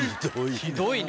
ひどいね。